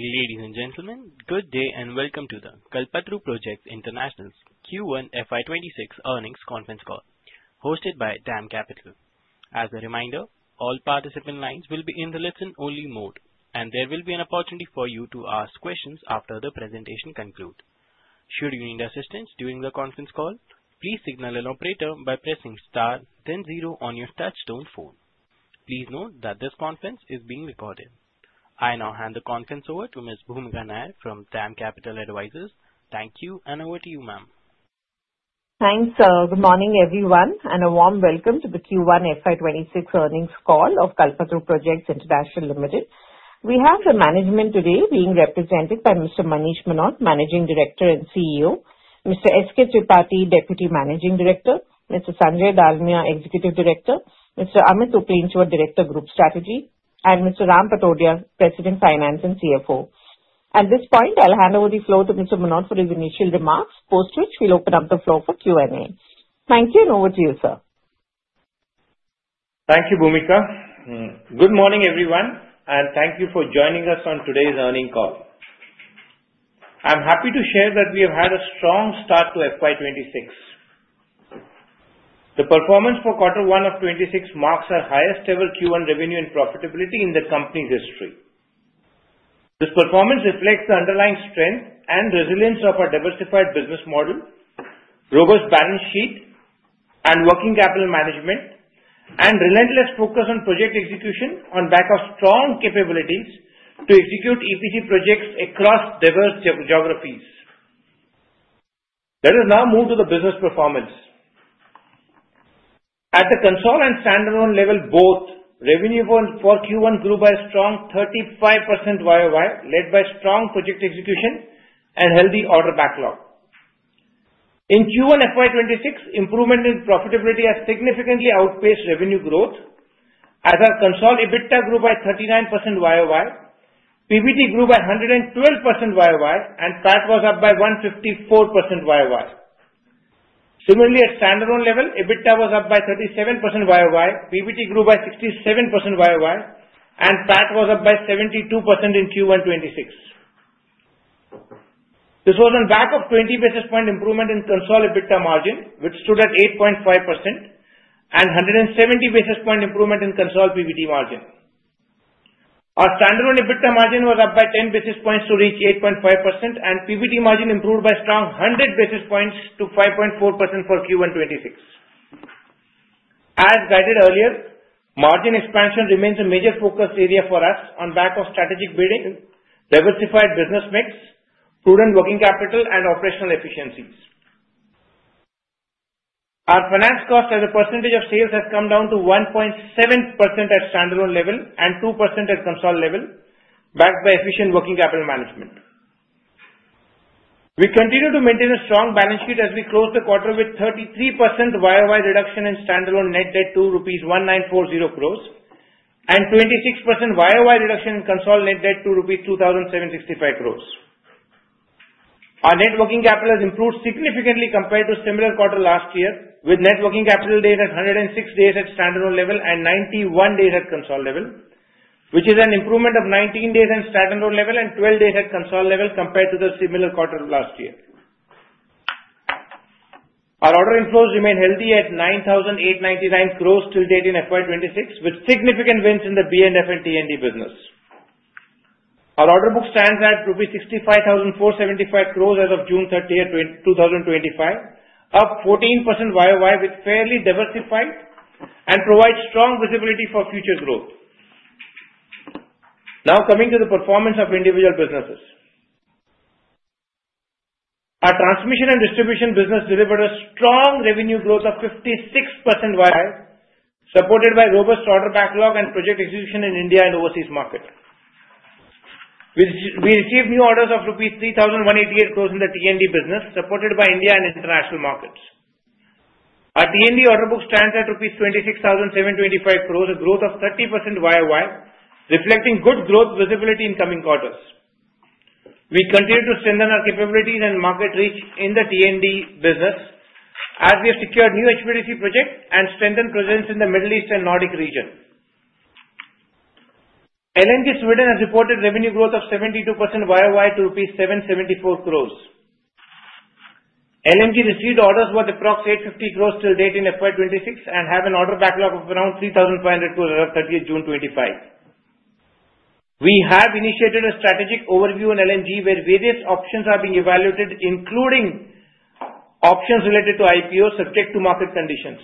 Ladies and gentlemen, good day and welcome to the Kalpataru Projects International's Q1 FY 2026 earnings conference call, hosted by DAM Capital Advisors. As a reminder, all participant lines will be in the listen-only mode, and there will be an opportunity for you to ask questions after the presentation concludes. Should you need assistance during the conference call, please signal an operator by pressing star, then zero on your touch-tone phone. Please note that this conference is being recorded. I now hand the conference over to Ms. Bhoomika Nair from DAM Capital Advisors. Thank you, and over to you, ma'am. Thanks. Good morning, everyone, and a warm welcome to the Q1 FY 2026 earnings call of Kalpataru Projects International Limited. We have the management today being represented by Mr. Manish Mohnot, Managing Director and CEO. Mr. S.K. Tripathi, Deputy Managing Director. Mr. Sanjay Dalmia, Executive Director. Mr. Amit Uplenchwar, Director of Group Strategy. And Mr. Ram Patodia, President, Finance and CFO. At this point, I'll hand over the floor to Mr. Mohnot for his initial remarks, post which we'll open up the floor for Q&A. Thank you, and over to you, sir. Thank you, Bhoomika. Good morning, everyone, and thank you for joining us on today's earnings call. I'm happy to share that we have had a strong start to FY 2026. The performance for Q1 of 2026 marks our highest-ever Q1 revenue and profitability in the company's history. This performance reflects the underlying strength and resilience of our diversified business model, robust balance sheet, and working capital management, and relentless focus on project execution on the back of strong capabilities to execute EPC projects across diverse geographies. Let us now move to the business performance. At the consolidated standalone level, both revenue for Q1 grew by a strong 35% YoY, led by strong project execution and healthy order backlog. In Q1 FY 2026, improvement in profitability has significantly outpaced revenue growth, as our consolidated EBITDA grew by 39% YoY, PBT grew by 112% YoY, and PAT was up by 154% YoY. Similarly, at standalone level, EBITDA was up by 37% YoY, PBT grew by 67% YoY, and PAT was up by 72% in Q1 2026. This was on the back of 20 basis points improvement in consolidated EBITDA margin, which stood at 8.5%, and 170 basis points improvement in consolidated PBT margin. Our standalone EBITDA margin was up by 10 basis points to reach 8.5%, and PBT margin improved by a strong 100 basis points to 5.4% for Q1 2026. As guided earlier, margin expansion remains a major focus area for us on the back of strategic bidding, diversified business mix, prudent working capital, and operational efficiencies. Our finance cost, as a percentage of sales, has come down to 1.7% at standalone level and 2% at consolidated level, backed by efficient working capital management. We continue to maintain a strong balance sheet as we close the quarter with 33% YoY reduction in standalone net debt to rupees 1,940 crores and 26% YoY reduction in consolidated net debt to rupees 2,765 crores. Our net working capital has improved significantly compared to the similar quarter last year, with net working capital days at 106 days at standalone level and 91 days at consolidated level, which is an improvement of 19 days at standalone level and 12 days at consolidated level compared to the similar quarter last year. Our order inflows remain healthy at 9,899 crores till date in FY 2026, with significant wins in the B&F and T&D business. Our order book stands at INR 65,475 crores as of June 30th, 2025, up 14% YoY, with fairly diversified and provides strong visibility for future growth. Now, coming to the performance of individual businesses, our transmission and distribution business delivered a strong revenue growth of 56% YoY, supported by robust order backlog and project execution in India and overseas markets. We received new orders of rupees 3,188 crores in the T&D business, supported by India and international markets. Our T&D order book stands at INR 26,725 crores, a growth of 30% YoY, reflecting good growth visibility in coming quarters. We continue to strengthen our capabilities and market reach in the T&D business, as we have secured new HVDC projects and strengthened presence in the Middle East and Nordic region. LMG Sweden has reported revenue growth of 72% YoY to rupees 774 crores. LMG received orders worth approximately 850 crores till date in FY 2026 and have an order backlog of around 3,500 crores as of 30th June 2025. We have initiated a strategic overview on LMG, where various options are being evaluated, including options related to IPOs subject to market conditions.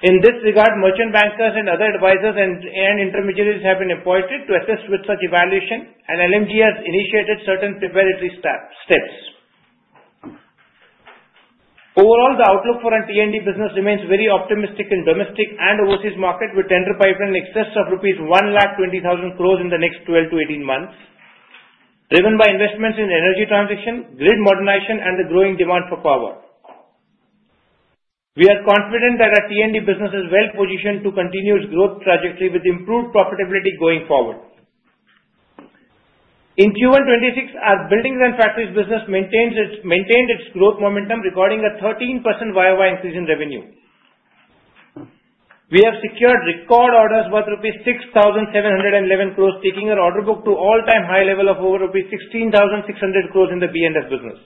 In this regard, merchant bankers and other advisors and intermediaries have been appointed to assist with such evaluation, and LMG has initiated certain preparatory steps. Overall, the outlook for our T&D business remains very optimistic in domestic and overseas markets, with tender pipeline in excess of rupees 120,000 crores in the next 12-18 months, driven by investments in energy transition, grid modernization, and the growing demand for power. We are confident that our T&D business is well-positioned to continue its growth trajectory with improved profitability going forward. In Q1 2026, our buildings and factories business maintained its growth momentum, recording a 13% YoY increase in revenue. We have secured record orders worth rupees 6,711 crores, taking our order book to an all-time high level of over rupees 16,600 crores in the B&F business.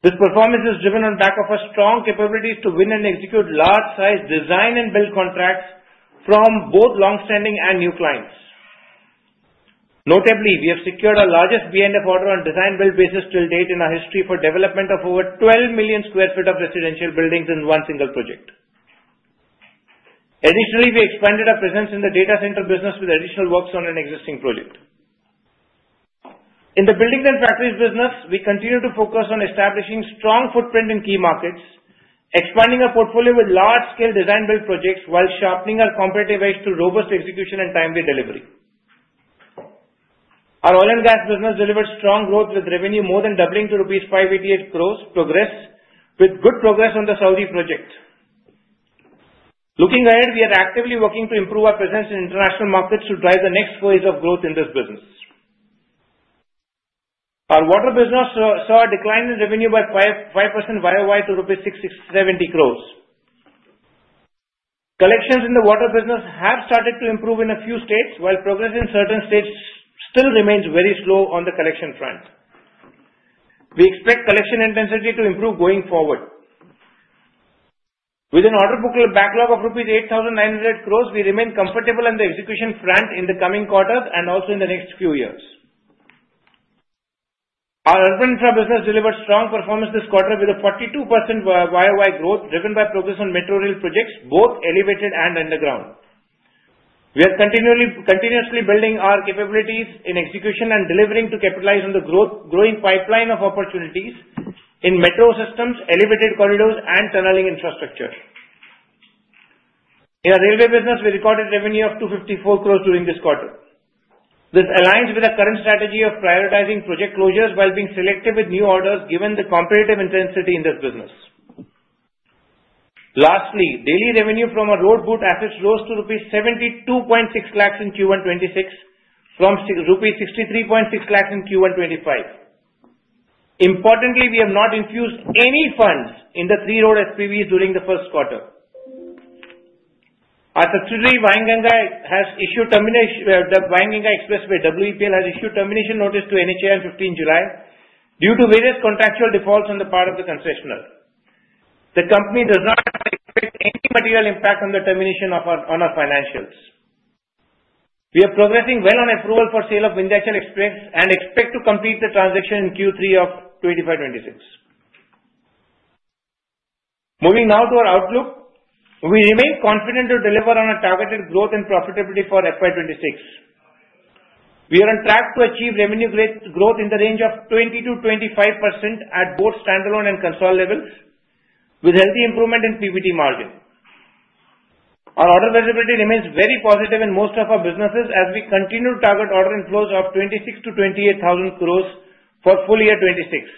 This performance is driven on the back of our strong capabilities to win and execute large-sized design and build contracts from both long-standing and new clients. Notably, we have secured our largest B&F order on design-build basis till date in our history for the development of over 12 million sq ft of residential buildings in one single project. Additionally, we expanded our presence in the data center business with additional works on an existing project. In the buildings and factories business, we continue to focus on establishing a strong footprint in key markets, expanding our portfolio with large-scale design-build projects, while sharpening our competitive edge through robust execution and timely delivery. Our oil and gas business delivered strong growth, with revenue more than doubling to rupees 588 crores with good progress on the Saudi project. Looking ahead, we are actively working to improve our presence in international markets to drive the next phase of growth in this business. Our water business saw a decline in revenue by 5% YoY to rupees 670 crores. Collections in the water business have started to improve in a few states, while progress in certain states still remains very slow on the collection front. We expect collection intensity to improve going forward. With an order book backlog of rupees 8,900 crores, we remain comfortable on the execution front in the coming quarters and also in the next few years. Our Urban Infra business delivered strong performance this quarter, with a 42% YoY growth driven by progress on metro rail projects, both elevated and underground. We are continuously building our capabilities in execution and delivering to capitalize on the growing pipeline of opportunities in metro systems, elevated corridors, and tunneling infrastructure. In our railway business, we recorded revenue of 254 crores during this quarter. This aligns with our current strategy of prioritizing project closures while being selective with new orders, given the competitive intensity in this business. Lastly, daily revenue from our road BOOT assets rose to 72.6 lakhs rupees in Q1 2026, from 63.6 lakhs rupees in Q1 2025. Importantly, we have not infused any funds in the three-road SPVs during the first quarter. Our subsidiary, Wainganga Expressway, has issued termination notice to NHAI on 15 July due to various contractual defaults on the part of the concessionaire. The company does not expect any material impact on the termination of our financials. We are progressing well on approval for sale of Vindhyachal Expressway and expect to complete the transaction in Q3 of 2025-2026. Moving now to our outlook, we remain confident to deliver on our targeted growth and profitability for FY 2026. We are on track to achieve revenue growth in the range of 20%-25% at both standalone and consolidated levels, with healthy improvement in PBT margin. Our order visibility remains very positive in most of our businesses, as we continue to target order inflows of 26,000-28,000 crores for full year 2026.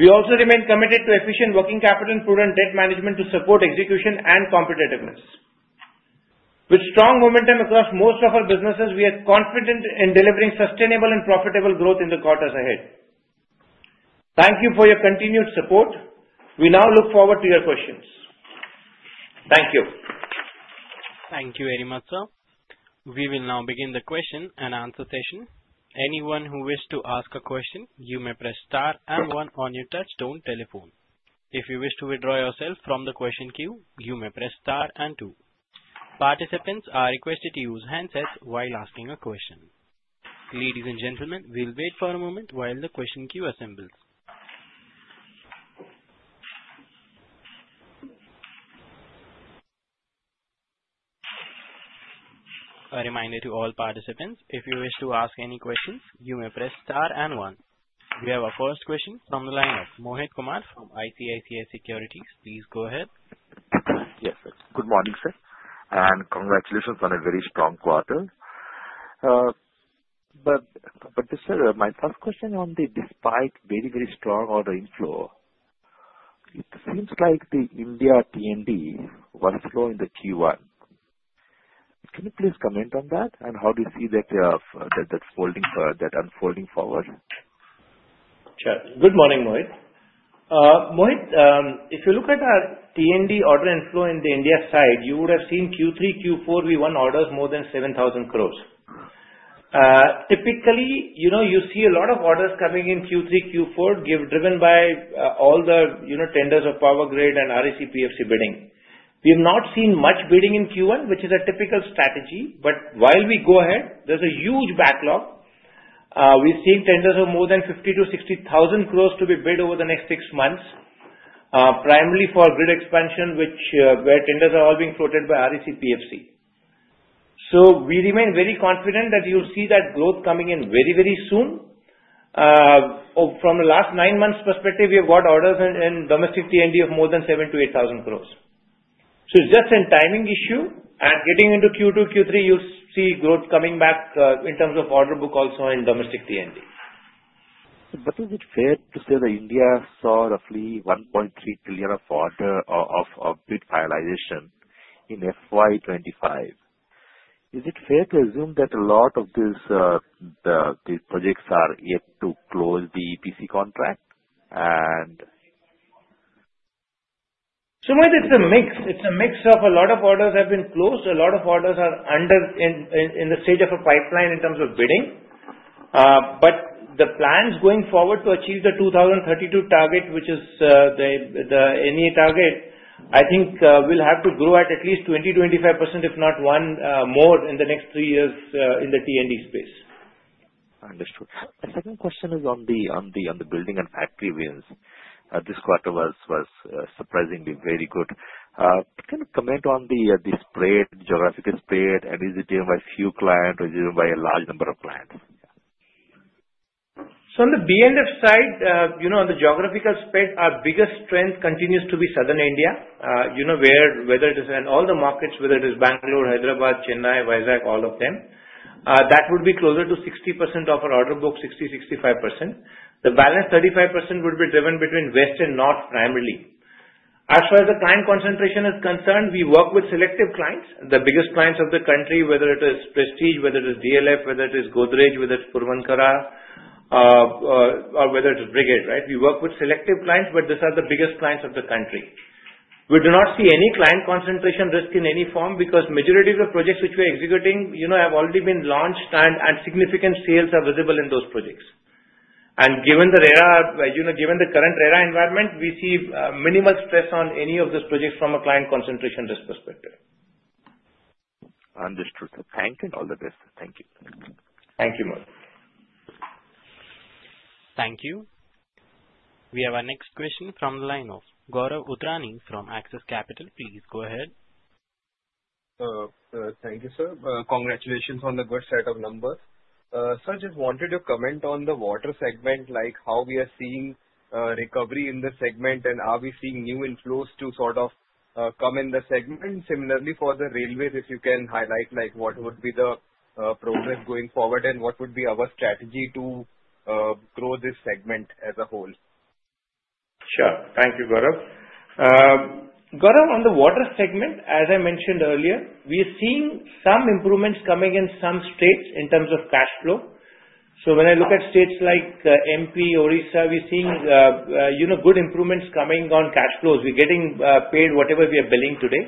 We also remain committed to efficient working capital and prudent debt management to support execution and competitiveness. With strong momentum across most of our businesses, we are confident in delivering sustainable and profitable growth in the quarters ahead. Thank you for your continued support. We now look forward to your questions. Thank you. Thank you very much, sir. We will now begin the question and answer session. Anyone who wishes to ask a question, you may press star and one on your touch-tone telephone. If you wish to withdraw yourself from the question queue, you may press star and two. Participants are requested to use handsets while asking a question. Ladies and gentlemen, we'll wait for a moment while the question queue assembles. A reminder to all participants, if you wish to ask any questions, you may press star and one. We have our first question from the line of Mohit Kumar from ICICI Securities. Please go ahead. Yes, sir. Good morning, sir. And congratulations on a very strong quarter. But, sir, my first question on the, despite very, very strong order inflow, it seems like the India T&D was slow in the Q1. Can you please comment on that, and how do you see that unfolding forward? Sure. Good morning, Mohit. Mohit, if you look at our T&D order inflow in the India side, you would have seen Q3, Q4, we won orders more than 7,000 crores. Typically, you see a lot of orders coming in Q3, Q4, driven by all the tenders of power grid and REC, PFC bidding. We have not seen much bidding in Q1, which is a typical strategy. But while we go ahead, there's a huge backlog. We're seeing tenders of more than 50,000-60,000 crores to be bid over the next six months, primarily for grid expansion, where tenders are all being floated by REC, PFC. So we remain very confident that you'll see that growth coming in very, very soon. From the last nine months' perspective, we have got orders in domestic T&D of more than 7,000-8,000 crores. So it's just a timing issue. At getting into Q2, Q3, you'll see growth coming back in terms of order book also in domestic T&D. But is it fair to say that India saw roughly 1.3 trillion of bid finalization in FY 2025? Is it fair to assume that a lot of these projects are yet to close the EPC contract? So, Mohit, it's a mix of a lot of orders that have been closed. A lot of orders are in the state of a pipeline in terms of bidding. But the plans going forward to achieve the 2032 target, which is the CEA target, I think we'll have to grow at least 20%-25%, if not one more, in the next three years in the T&D space. Understood. A second question is on the building and factory wins. This quarter was surprisingly very good. Can you comment on the geographical split? And is it driven by a few clients or is it driven by a large number of clients? So on the B&F side, on the geographical split, our biggest strength continues to be southern India, whether it is in all the markets, whether it is Bangalore, Hyderabad, Chennai, Vizag, all of them. That would be closer to 60% of our order book, 60%-65%. The balance 35% would be driven between west and north, primarily. As far as the client concentration is concerned, we work with selective clients, the biggest clients of the country, whether it is Prestige, whether it is DLF, whether it is Godrej, whether it's Puravankara, or whether it is Brigade, right? We work with selective clients, but these are the biggest clients of the country. We do not see any client concentration risk in any form because majority of the projects which we are executing have already been launched, and significant sales are visible in those projects. Given the current RERA environment, we see minimal stress on any of those projects from a client concentration risk perspective. Understood. Thank you. All the best. Thank you. Thank you, Mohit. Thank you. We have our next question from the line of Gaurav Uttrani from Axis Capital. Please go ahead. Thank you, sir. Congratulations on the good set of numbers. Sir, just wanted to comment on the water segment, like how we are seeing recovery in the segment, and are we seeing new inflows to sort of come in the segment? Similarly, for the railways, if you can highlight what would be the progress going forward and what would be our strategy to grow this segment as a whole? Sure. Thank you, Gaurav. Gaurav, on the water segment, as I mentioned earlier, we are seeing some improvements coming in some states in terms of cash flow. So when I look at states like MP, Odisha, we're seeing good improvements coming on cash flows. We're getting paid whatever we are billing today.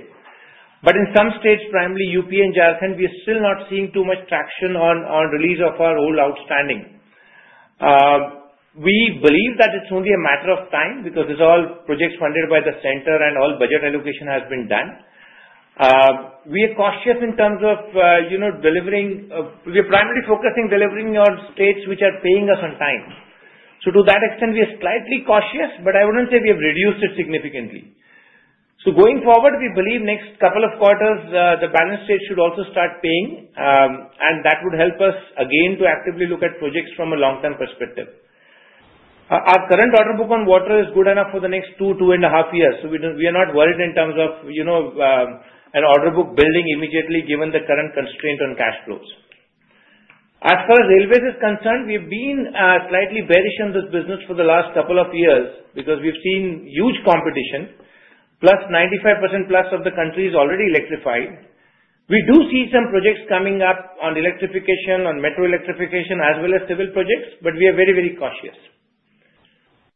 But in some states, primarily UP and Jharkhand, we are still not seeing too much traction on release of our old outstanding. We believe that it's only a matter of time because it's all projects funded by the center and all budget allocation has been done. We are cautious in terms of delivering. We are primarily focusing on delivering on states which are paying us on time. So to that extent, we are slightly cautious, but I wouldn't say we have reduced it significantly. So going forward, we believe next couple of quarters, the balance sheet should also start paying, and that would help us again to actively look at projects from a long-term perspective. Our current order book on water is good enough for the next two, two and a half years. So we are not worried in terms of an order book building immediately, given the current constraint on cash flows. As far as railways are concerned, we have been slightly bearish on this business for the last couple of years because we've seen huge competition, plus 95% plus of the country is already electrified. We do see some projects coming up on electrification, on metro electrification, as well as civil projects, but we are very, very cautious.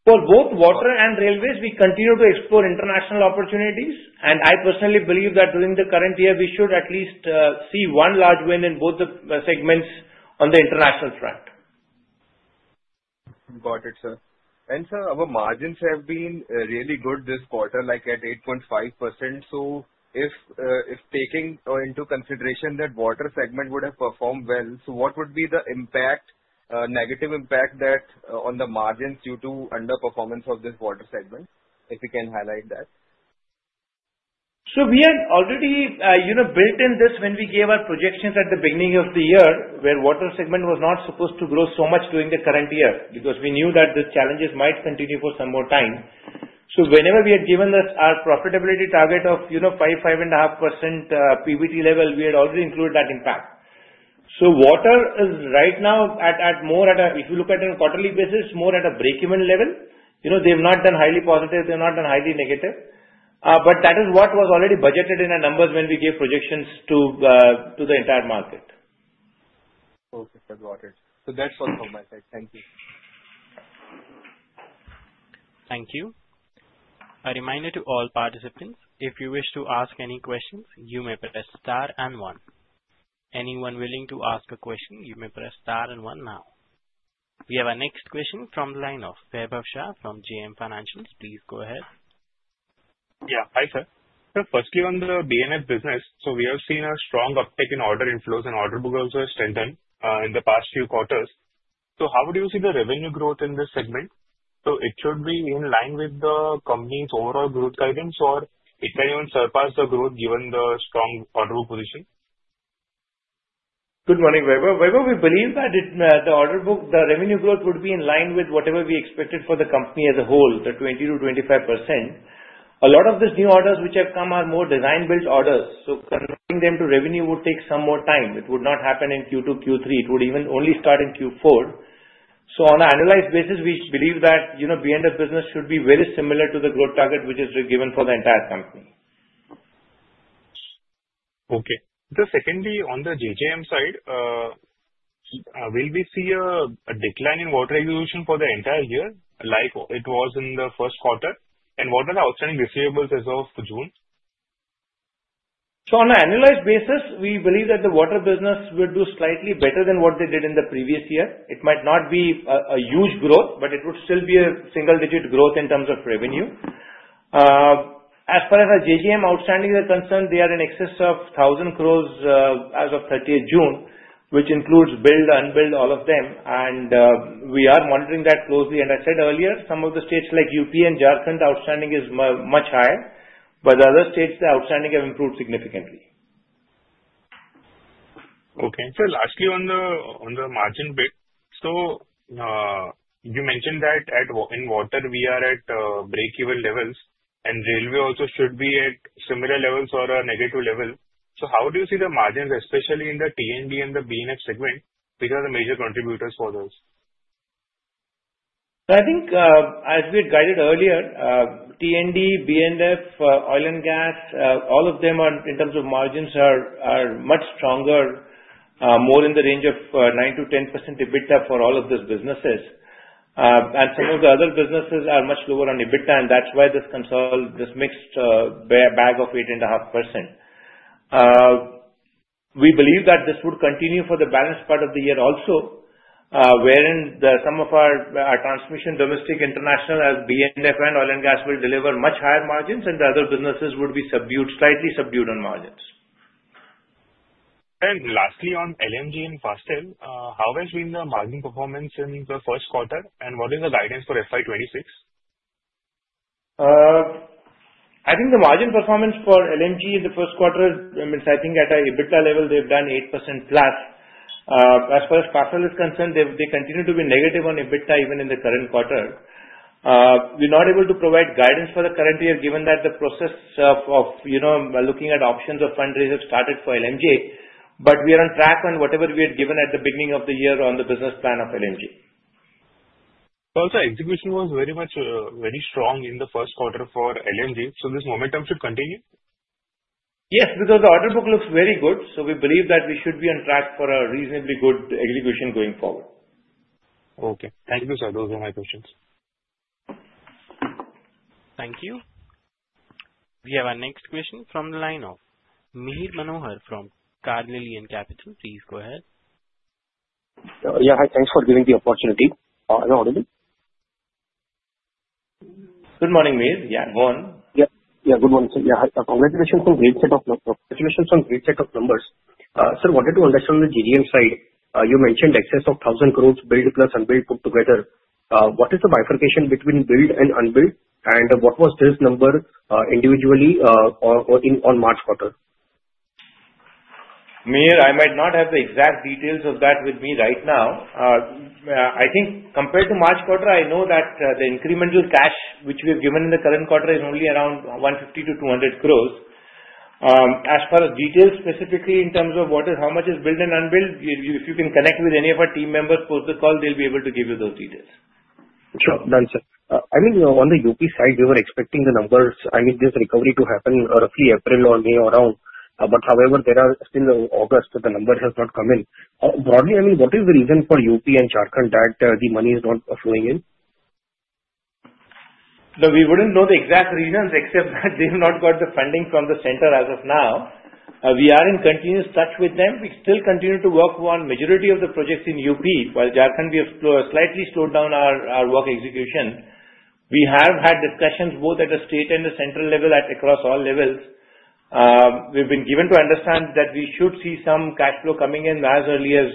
For both water and railways, we continue to explore international opportunities, and I personally believe that during the current year, we should at least see one large win in both the segments on the international front. Got it, sir. Sir, our margins have been really good this quarter, like at 8.5%. So if taking into consideration that water segment would have performed well, so what would be the negative impact on the margins due to underperformance of this water segment? If you can highlight that. So we had already built in this when we gave our projections at the beginning of the year, where water segment was not supposed to grow so much during the current year because we knew that the challenges might continue for some more time. So whenever we had given our profitability target of 5%, 5.5% PBT level, we had already included that impact. So water is right now at, if you look at it on a quarterly basis, more at a break-even level. They have not done highly positive. They have not done highly negative. But that is what was already budgeted in our numbers when we gave projections to the entire market. Okay, sir, got it. So that's all from my side. Thank you. Thank you. A reminder to all participants, if you wish to ask any questions, you may press star and one. Anyone willing to ask a question, you may press star and one now. We have our next question from the line of Vaibhav Shah from JM Financial. Please go ahead. Yeah, hi, sir. So firstly, on the B&F business, so we have seen a strong uptick in order inflows and order book also strengthened in the past few quarters. So how would you see the revenue growth in this segment? So it should be in line with the company's overall growth guidance, or it can even surpass the growth given the strong order book position? Good morning, Vaibhav. Vaibhav, we believe that the revenue growth would be in line with whatever we expected for the company as a whole, the 20%-25%. A lot of these new orders which have come are more design-build orders. So converting them to revenue would take some more time. It would not happen in Q2, Q3. It would even only start in Q4. So on an annualized basis, we believe that B&F business should be very similar to the growth target which is given for the entire company. Okay. So secondly, on the JJM side, will we see a decline in water utilization for the entire year like it was in the first quarter? And what are the outstanding receivables as of June? On an annualized basis, we believe that the water business will do slightly better than what they did in the previous year. It might not be a huge growth, but it would still be a single-digit growth in terms of revenue. As far as our JJM outstandings are concerned, they are in excess of 1,000 crores as of 30th June, which includes billed, unbilled, all of them. We are monitoring that closely. I said earlier, some of the states like UP and Jharkhand, outstanding is much higher. But other states, the outstandings have improved significantly. Okay. So lastly, on the margin mix, so you mentioned that in water, we are at break-even levels, and railway also should be at similar levels or a negative level. So how do you see the margins, especially in the T&D and the B&F segment? Which are the major contributors for those? I think, as we had guided earlier, T&D, B&F, oil and gas, all of them in terms of margins are much stronger, more in the range of 9%-10% EBITDA for all of these businesses. And some of the other businesses are much lower on EBITDA, and that's why this mixed bag of 8.5%. We believe that this would continue for the balanced part of the year also, wherein some of our transmission, domestic, international, as B&F and oil and gas will deliver much higher margins, and the other businesses would be slightly subdued on margins. Lastly, on LMG and Fasttel, how has been the margin performance in the first quarter? What is the guidance for FY 2026? I think the margin performance for LMG in the first quarter, I mean, I think at our EBITDA level, they've done 8%+. As far as Fasttel is concerned, they continue to be negative on EBITDA even in the current quarter. We're not able to provide guidance for the current year, given that the process of looking at options of fundraisers started for LMG. But we are on track on whatever we had given at the beginning of the year on the business plan of LMG. The execution was very strong in the first quarter for LMG. This momentum should continue? Yes, because the order book looks very good. So we believe that we should be on track for a reasonably good execution going forward. Okay. Thank you, sir. Those are my questions. Thank you. We have our next question from the line of Mihir Manohar from Carnelian Capital. Please go ahead. Yeah, hi. Thanks for giving the opportunity. Am I audible? Good morning, Mihir. Yeah, go on. Yeah, good morning. Congratulations on the great set of numbers. Sir, I wanted to understand on the JJM side, you mentioned excess of 1,000 crores billed plus unbilled put together. What is the bifurcation between billed and unbilled? And what was this number individually in the March quarter? Mihir, I might not have the exact details of that with me right now. I think compared to March quarter, I know that the incremental cash which we have given in the current quarter is only around 150- 200 crores. As far as details, specifically in terms of how much is build and unbuild, if you can connect with any of our team members, post the call, they'll be able to give you those details. Sure. Done, sir. I mean, on the UP side, we were expecting the numbers, I mean, this recovery to happen roughly April or May or around. But however, there are still August, but the number has not come in. Broadly, I mean, what is the reason for UP and Jharkhand that the money is not flowing in? No, we wouldn't know the exact reasons except that they have not got the funding from the center as of now. We are in continuous touch with them. We still continue to work on the majority of the projects in UP. While Jharkhand, we have slightly slowed down our work execution. We have had discussions both at the state and the central level, across all levels. We've been given to understand that we should see some cash flow coming in as early as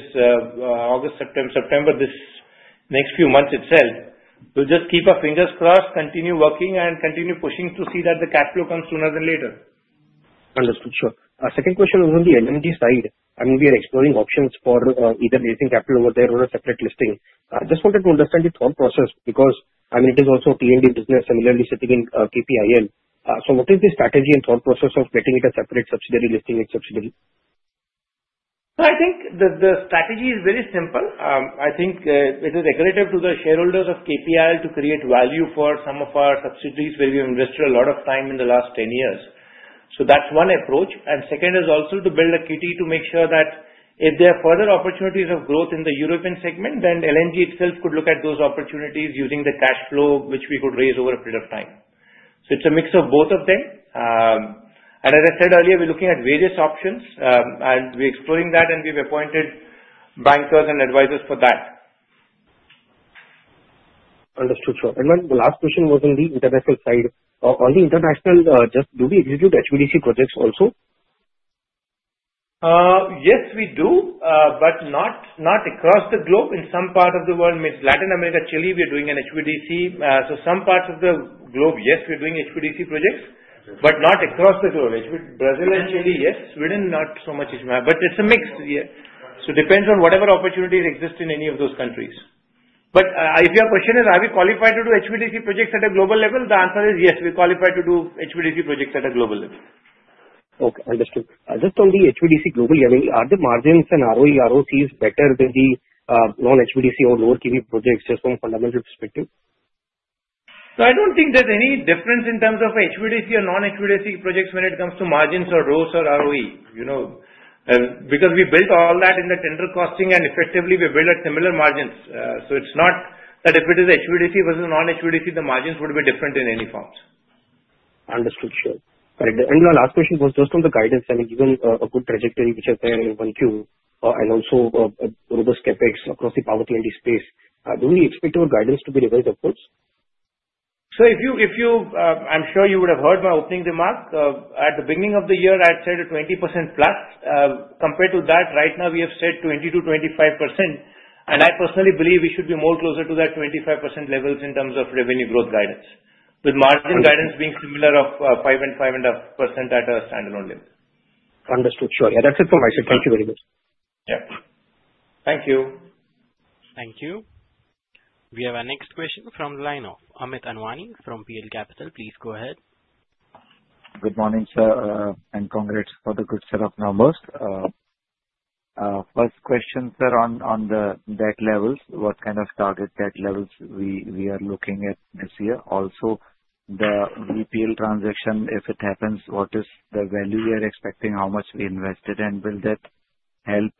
August, September, this next few months itself. We'll just keep our fingers crossed, continue working, and continue pushing to see that the cash flow comes sooner than later. Understood. Sure. Our second question was on the LMG side. I mean, we are exploring options for either raising capital over there or a separate listing. I just wanted to understand the thought process because, I mean, it is also a T&D business, similarly sitting in KPIL. So what is the strategy and thought process of getting it a separate subsidiary, listing it subsidiary? I think the strategy is very simple. I think it is right to the shareholders of KPIL to create value for some of our subsidiaries where we have invested a lot of time in the last 10 years. That's one approach. And second is also to build a kitty to make sure that if there are further opportunities of growth in the European segment, then LMG itself could look at those opportunities using the cash flow which we could raise over a period of time. So it's a mix of both of them. And as I said earlier, we're looking at various options, and we're exploring that, and we've appointed bankers and advisors for that. Understood. Sir, and then the last question was on the international side. On the international, do we execute HVDC projects also? Yes, we do, but not across the globe. In some part of the world, Latin America, Chile, we are doing an HVDC. So some parts of the globe, yes, we're doing HVDC projects, but not across the globe. Brazil and Chile, yes. Sweden, not so much. But it's a mix. So it depends on whatever opportunities exist in any of those countries. But if your question is, are we qualified to do HVDC projects at a global level? The answer is yes, we qualify to do HVDC projects at a global level. Okay. Understood. Just on the HVDC globally, I mean, are the margins and ROE, ROCs better than the non-HVDC or lower T&D projects just from fundamental perspective? So I don't think there's any difference in terms of HVDC or non-HVDC projects when it comes to margins or ROEs or ROE. And because we built all that in the tender costing, and effectively, we built at similar margins. So it's not that if it is HVDC versus non-HVDC, the margins would be different in any forms. Understood. Sure. And my last question was just on the guidance. I mean, given a good trajectory which has been in Q1 and also robust CapEx across the power T&D space, do we expect our guidance to be revised upwards? I'm sure you would have heard my opening remark. At the beginning of the year, I had said 20%+. Compared to that, right now, we have said 20%-25%. And I personally believe we should be more closer to that 25% levels in terms of revenue growth guidance, with margin guidance being similar of 5%-5.5% at a standalone level. Understood. Sure. Yeah, that's it from my side. Thank you very much. Yeah. Thank you. Thank you. We have our next question from the line of Amit Anwani from PL Capital. Please go ahead. Good morning, sir, and congrats for the good set of numbers. First question, sir, on the debt levels, what kind of target debt levels we are looking at this year? Also, the VEPL transaction, if it happens, what is the value we are expecting, how much we invested, and will that help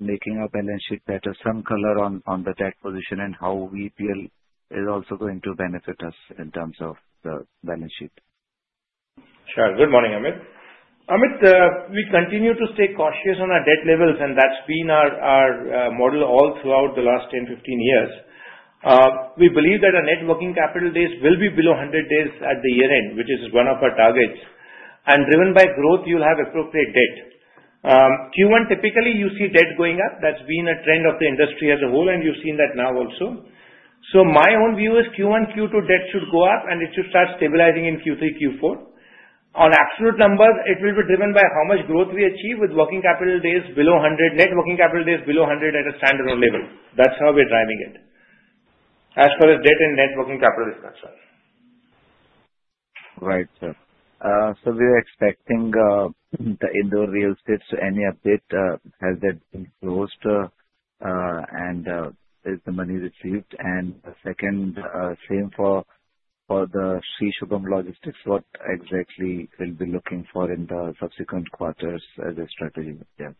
making our balance sheet better, some color on the debt position, and how VEPL is also going to benefit us in terms of the balance sheet? Sure. Good morning, Amit. Amit, we continue to stay cautious on our debt levels, and that's been our model all throughout the last 10, 15 years. We believe that our net working capital days will be below 100 days at the year-end, which is one of our targets, and driven by growth, you'll have appropriate debt. Q1, typically, you see debt going up. That's been a trend of the industry as a whole, and you've seen that now also, so my own view is Q1, Q2, debt should go up, and it should start stabilizing in Q3, Q4. On absolute numbers, it will be driven by how much growth we achieve with working capital days below 100, net working capital days below 100 at a standalone level. That's how we're driving it as far as debt and net working capital is concerned. Right, sir. So we're expecting the Indore real estate's any update. Has that been closed, and is the money received? And second, same for the Shree Shubham Logistics, what exactly will be looking for in the subsequent quarters as a strategy with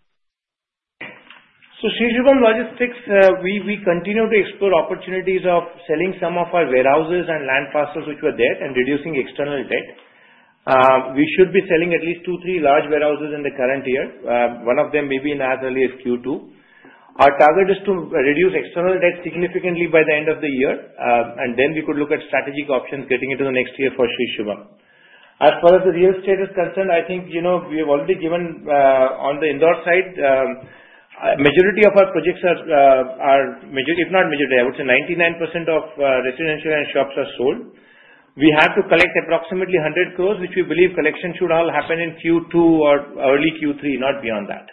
them? Shree Shubham Logistics, we continue to explore opportunities of selling some of our warehouses and land parcels which were there and reducing external debt. We should be selling at least two, three large warehouses in the current year. One of them may be in as early as Q2. Our target is to reduce external debt significantly by the end of the year, and then we could look at strategic options getting into the next year for Shree Shubham. As far as the real estate is concerned, I think we have already given on the Indore side, majority of our projects are if not majority, I would say 99% of residential and shops are sold. We have to collect approximately 100 crores, which we believe collection should all happen in Q2 or early Q3, not beyond that.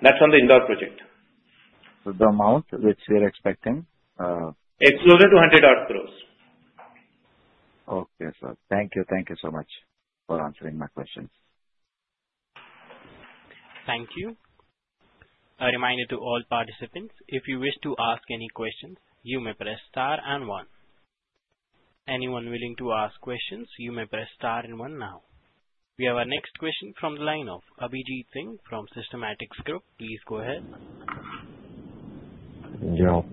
That's on the Indore project. So the amount which we are expecting? It's closer to 100 crores. Okay, sir. Thank you. Thank you so much for answering my questions. Thank you. A reminder to all participants, if you wish to ask any questions, you may press star and one. Anyone willing to ask questions, you may press star and one now. We have our next question from the line of Abhijeet Singh from Systematix Group. Please go ahead.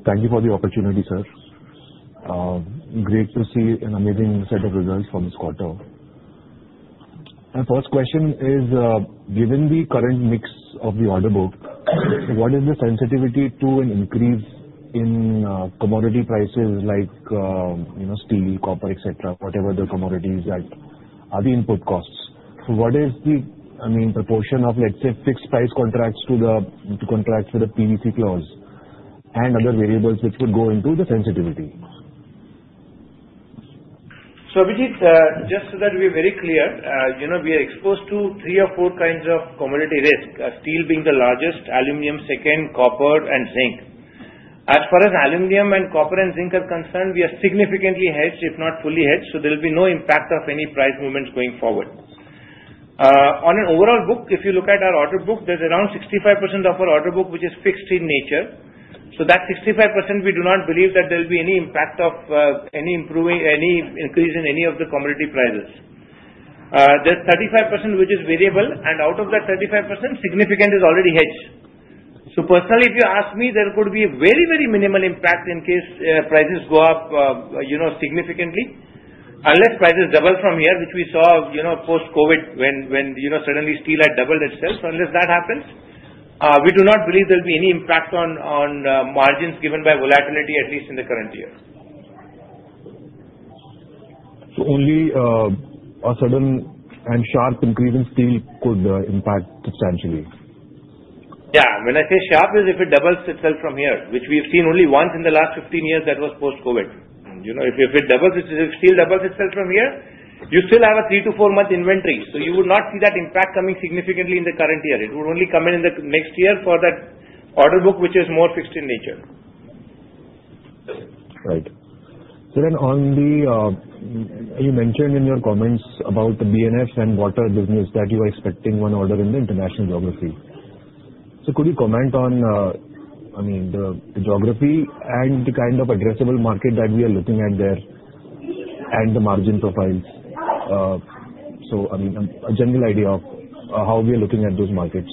Thank you for the opportunity, sir. Great to see an amazing set of results for this quarter. My first question is, given the current mix of the order book, what is the sensitivity to an increase in commodity prices like steel, copper, etc., whatever the commodities that are the input costs? So what is the, I mean, proportion of, let's say, fixed price contracts to contracts with a PVC clause and other variables which would go into the sensitivity? So Abhijeet, just so that we are very clear, we are exposed to three or four kinds of commodity risk, steel being the largest, aluminum second, copper, and zinc. As far as aluminum and copper and zinc are concerned, we are significantly hedged, if not fully hedged, so there will be no impact of any price movements going forward. On an overall book, if you look at our order book, there's around 65% of our order book which is fixed in nature. So that 65%, we do not believe that there will be any impact of any increase in any of the commodity prices. There's 35% which is variable, and out of that 35%, significant is already hedged. So personally, if you ask me, there could be very, very minimal impact in case prices go up significantly, unless prices double from here, which we saw post-COVID when suddenly steel had doubled itself. So unless that happens, we do not believe there will be any impact on margins given by volatility, at least in the current year. So only a sudden and sharp increase in steel could impact substantially? Yeah. When I say sharp is if it doubles itself from here, which we've seen only once in the last 15 years, that was post-COVID. If it doubles, if steel doubles itself from here, you still have a three- to four-month inventory. So you would not see that impact coming significantly in the current year. It would only come in in the next year for that order book which is more fixed in nature. Right. So then, on the, you mentioned in your comments about the B&F and water business that you are expecting one order in the international geography. So could you comment on, I mean, the geography and the kind of addressable market that we are looking at there and the margin profiles? So, I mean, a general idea of how we are looking at those markets.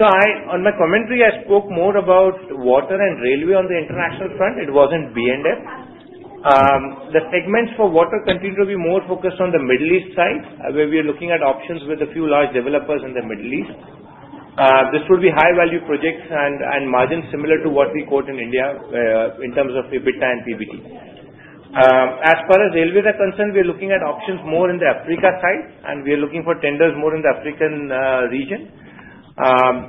On my commentary, I spoke more about water and railway on the international front. It wasn't B&F. The segments for water continue to be more focused on the Middle East side, where we are looking at options with a few large developers in the Middle East. This would be high-value projects and margins similar to what we quote in India in terms of EBITDA and PBT. As far as railways are concerned, we are looking at options more in the Africa side, and we are looking for tenders more in the African region.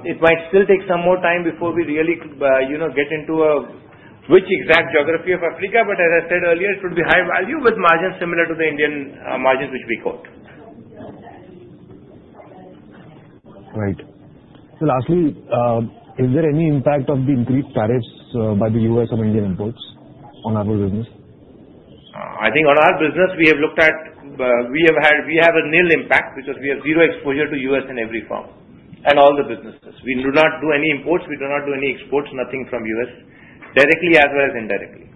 It might still take some more time before we really get into which exact geography of Africa, but as I said earlier, it would be high-value with margins similar to the Indian margins which we quote. Right. So lastly, is there any impact of the increased tariffs by the U.S. on Indian imports on our business? I think on our business, we have looked at. We have a nil impact because we have zero exposure to U.S. in every form and all the businesses. We do not do any imports. We do not do any exports, nothing from U.S., directly as well as indirectly.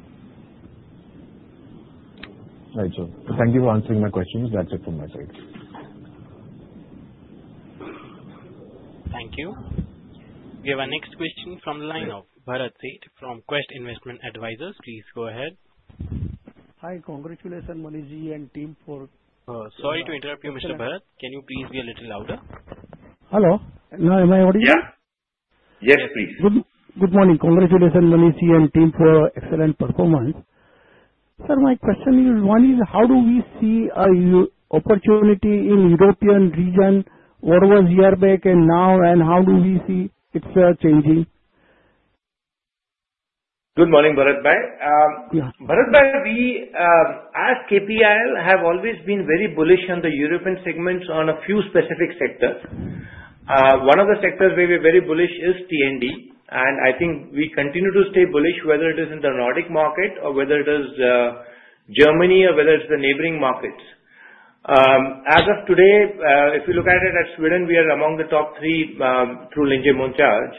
Right, sir. Thank you for answering my questions. That's it from my side. Thank you. We have our next question from the line of Bharat Sheth from Quest Investment Advisors. Please go ahead. Hi. Congratulations, Manish and team for. Sorry to interrupt you, Mr. Bharat. Can you please be a little louder? Hello. Am I audible? Yeah. Yes, please. Good morning. Congratulations, Manish and team for excellent performance. Sir, my question is, one is how do we see an opportunity in the European region? What was year back and now, and how do we see it changing? Good morning, Bharat Bhai. Bharat Bhai, we as KPIL have always been very bullish on the European segments on a few specific sectors. One of the sectors where we're very bullish is T&D, and I think we continue to stay bullish, whether it is in the Nordic market or whether it is Germany or whether it's the neighboring markets. As of today, if you look at it at Sweden, we are among the top three through Linjemontage,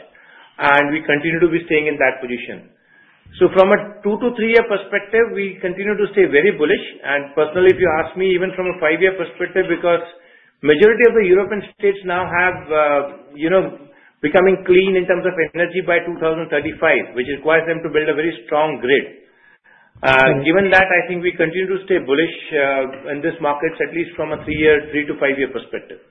and we continue to be staying in that position. So from a two to three-year perspective, we continue to stay very bullish. And personally, if you ask me, even from a five-year perspective, because the majority of the European states now have becoming clean in terms of energy by 2035, which requires them to build a very strong grid. Given that, I think we continue to stay bullish in this market, at least from a three-year, three to five-year perspective.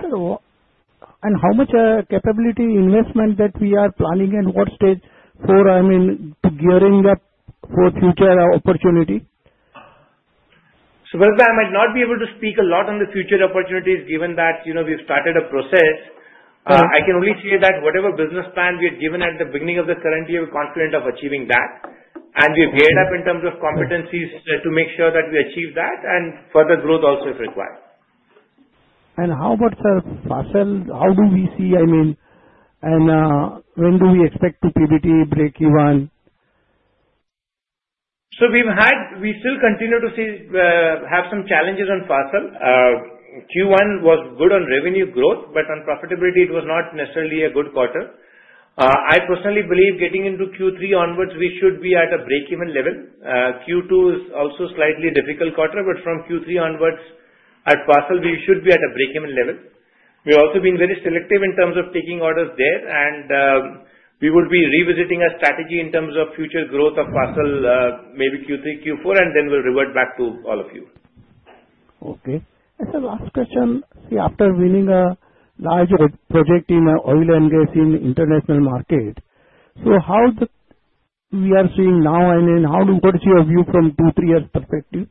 How much capacity investment that we are planning and what stage for, I mean, gearing up for future opportunity? So Bharat Bhai, I might not be able to speak a lot on the future opportunities given that we've started a process. I can only say that whatever business plan we had given at the beginning of the current year, we're confident of achieving that. And we've geared up in terms of competencies to make sure that we achieve that and further growth also if required. And how about, sir, Fasttel? How do we see, I mean, and when do we expect to PBT break even? So we still continue to have some challenges on Fasttel. Q1 was good on revenue growth, but on profitability, it was not necessarily a good quarter. I personally believe getting into Q3 onwards, we should be at a break-even level. Q2 is also a slightly difficult quarter, but from Q3 onwards, at Fasttel, we should be at a break-even level. We've also been very selective in terms of taking orders there, and we would be revisiting our strategy in terms of future growth of Fasttel, maybe Q3, Q4, and then we'll revert back to all of you. Okay. And the last question, see, after winning a large project in oil and gas in the international market, so how we are seeing now, and then what is your view from two, three years' perspective?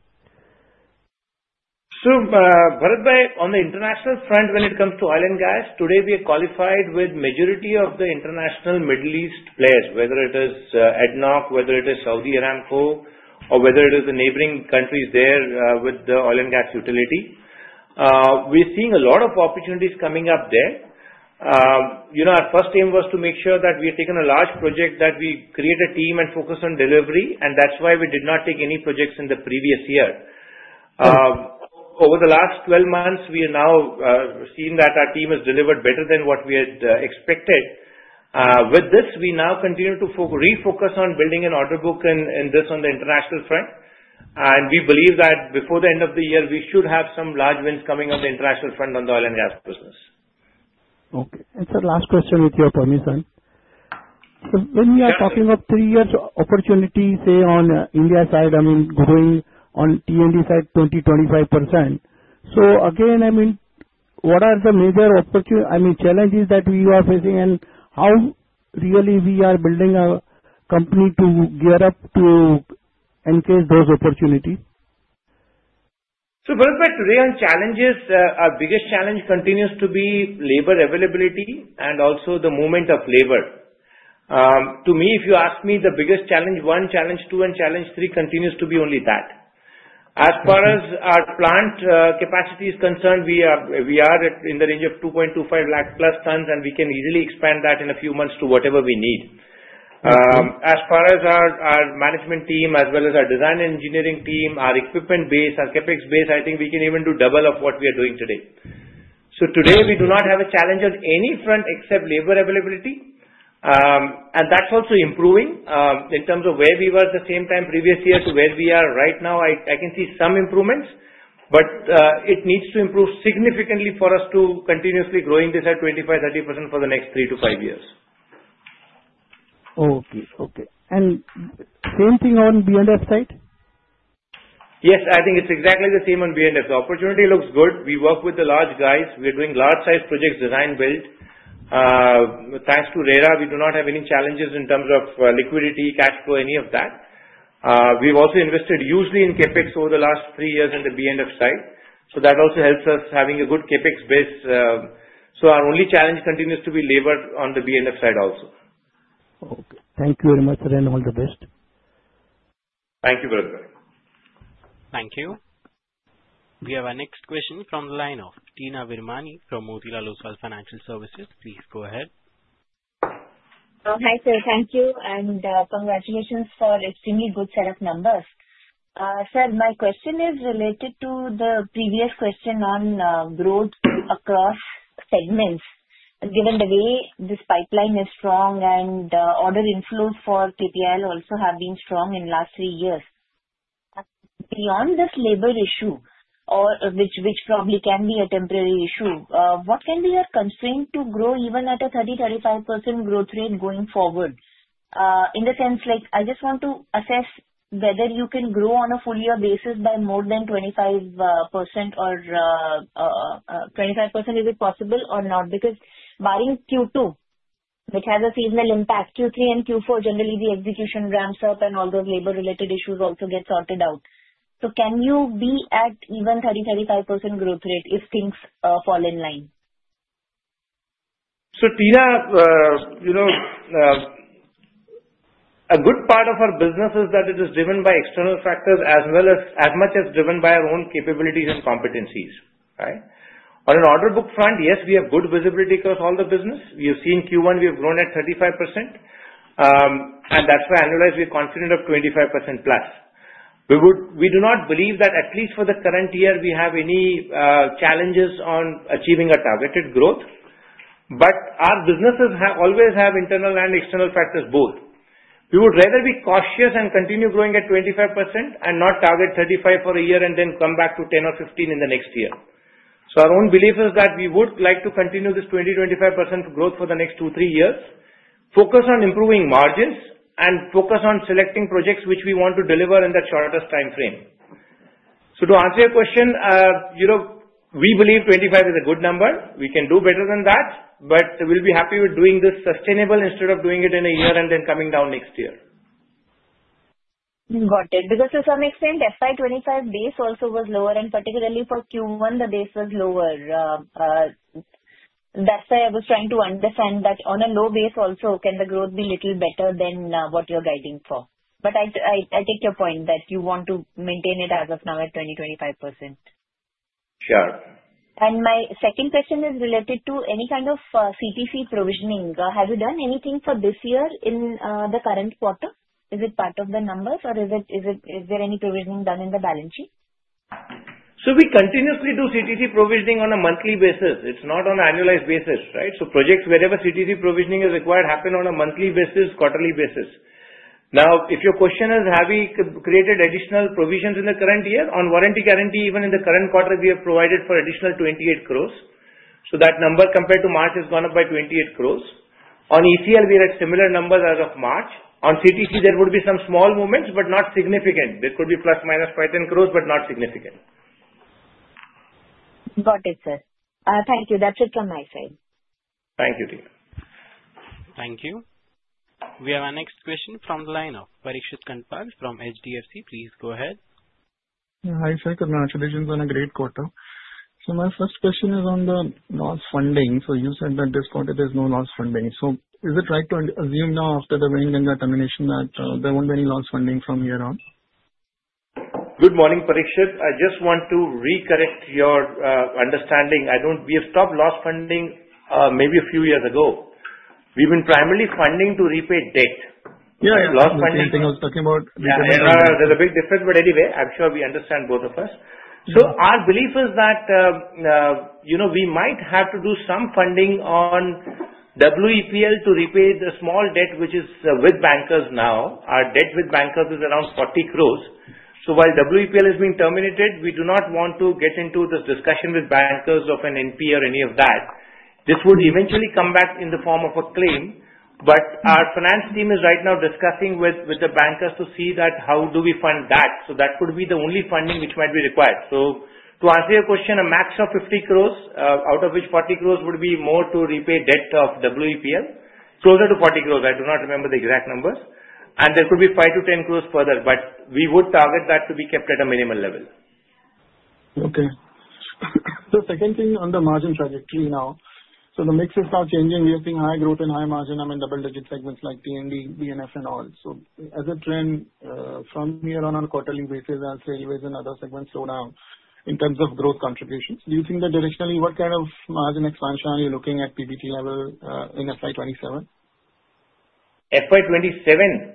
Bharat Bhai, on the international front, when it comes to oil and gas, today we are qualified with the majority of the international Middle East players, whether it is ADNOC, whether it is Saudi Aramco, or whether it is the neighboring countries there with the oil and gas utility. We're seeing a lot of opportunities coming up there. Our first aim was to make sure that we had taken a large project, that we create a team and focus on delivery, and that's why we did not take any projects in the previous year. Over the last 12 months, we have now seen that our team has delivered better than what we had expected. With this, we now continue to refocus on building an order book and this on the international front. We believe that before the end of the year, we should have some large wins coming on the international front on the oil and gas business. Okay. And sir, last question with your permission. So when you are talking about three-year opportunity, say, on India side, I mean, growing on T&D side 20%-25%, so again, I mean, what are the major challenges that we are facing, and how really we are building a company to gear up to encash those opportunities? So, Bharat Bhai, today on challenges, our biggest challenge continues to be labor availability and also the movement of labor. To me, if you ask me, the biggest challenge, one, challenge two, and challenge three continues to be only that. As far as our plant capacity is concerned, we are in the range of 2.25+ lakh tons, and we can easily expand that in a few months to whatever we need. As far as our management team, as well as our design engineering team, our equipment base, our CapEx base, I think we can even do double of what we are doing today. So today, we do not have a challenge on any front except labor availability, and that's also improving in terms of where we were at the same time previous year to where we are right now. I can see some improvements, but it needs to improve significantly for us to continuously growing this at 25%-30% for the next 3-5 years. Okay. And same thing on B&F side? Yes. I think it's exactly the same on B&F. The opportunity looks good. We work with the large guys. We are doing large-sized projects, design, build. Thanks to RERA, we do not have any challenges in terms of liquidity, cash flow, any of that. We've also invested hugely in CAPEX over the last three years on the B&F side. So that also helps us having a good CAPEX base. So our only challenge continues to be labor on the B&F side also. Okay. Thank you very much, sir, and all the best. Thank you, Bharat Bhai. Thank you. We have our next question from the line of Teena Virmani from Motilal Oswal Financial Services. Please go ahead. Hi, sir. Thank you, and congratulations for extremely good set of numbers. Sir, my question is related to the previous question on growth across segments. Given the way this pipeline is strong and order inflows for KPIL also have been strong in the last three years, beyond this labor issue, which probably can be a temporary issue, what can be your constraint to grow even at a 30%-35% growth rate going forward? In the sense, I just want to assess whether you can grow on a full-year basis by more than 25% or 25%, is it possible or not? Because barring Q2, which has a seasonal impact, Q3 and Q4, generally, the execution ramps up, and all those labor-related issues also get sorted out. So can you be at even 30%-35% growth rate if things fall in line? So Teena, a good part of our business is that it is driven by external factors as much as driven by our own capabilities and competencies, right? On an order book front, yes, we have good visibility across all the business. We have seen Q1, we have grown at 35%, and that's why annualized, we are confident of 25%+. We do not believe that, at least for the current year, we have any challenges on achieving a targeted growth, but our businesses always have internal and external factors both. We would rather be cautious and continue growing at 25% and not target 35% for a year and then come back to 10 or 15 in the next year. So our own belief is that we would like to continue this 20%-25% growth for the next two-three years, focus on improving margins, and focus on selecting projects which we want to deliver in the shortest time frame. So to answer your question, we believe 25% is a good number. We can do better than that, but we'll be happy with doing this sustainably instead of doing it in a year and then coming down next year. Got it. Because to some extent, FY 2025 base also was lower, and particularly for Q1, the base was lower. That's why I was trying to understand that on a low base also, can the growth be a little better than what you're guiding for? But I take your point that you want to maintain it as of now at 20%-25%. Sure. My second question is related to any kind of CTC provisioning. Have you done anything for this year in the current quarter? Is it part of the numbers, or is there any provisioning done in the balance sheet? So we continuously do CTC provisioning on a monthly basis. It's not on an annualized basis, right? So projects wherever CTC provisioning is required happen on a monthly basis, quarterly basis. Now, if your question is, have we created additional provisions in the current year? On warranty guarantee, even in the current quarter, we have provided for additional 28 crores. So that number compared to March has gone up by 28 crores. On ECL, we are at similar numbers as of March. On CTC, there would be some small movements, but not significant. There could be ±INR 5, 10 crores, but not significant. Got it, sir. Thank you. That's it from my side. Thank you, Teena. Thank you. We have our next question from the line of Parikshit Kandpal from HDFC. Please go ahead. Hi, sir. Congratulations on a great quarter. So my first question is on the loss funding. So is it right to assume now after the wind and the termination that there won't be any loss funding from here on? Good morning, Parikshit. I just want to correct your understanding. We have stopped loss funding maybe a few years ago. We've been primarily funding to repay debt. Yeah, yeah. I think I was talking about. There's a big difference, but anyway, I'm sure we understand both of us. So our belief is that we might have to do some funding on WEPL to repay the small debt, which is with bankers now. Our debt with bankers is around 40 crores. So while WEPL is being terminated, we do not want to get into this discussion with bankers of an NP or any of that. This would eventually come back in the form of a claim, but our finance team is right now discussing with the bankers to see that how do we fund that. So that could be the only funding which might be required. So to answer your question, a max of 50 crores, out of which 40 crores would be more to repay debt of WEPL, closer to 40 crores. I do not remember the exact numbers. There could be 5- 10 crores further, but we would target that to be kept at a minimal level. Okay. The second thing on the margin trajectory now. So the mix is now changing. We are seeing high growth and high margin, I mean, double-digit segments like T&D, B&F, and all. So as a trend, from here on a quarterly basis, as railways and other segments slow down in terms of growth contributions, do you think that additionally, what kind of margin expansion are you looking at PBT level in FY 2027? FY 2027? Yeah. Parikshit,